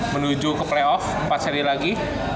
menuju ke play off empat seri lagi